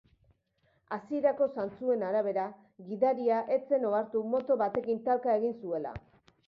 Hasierako zantzuen arabera, gidaria ez zen ohartu moto batekin talka egin zuela.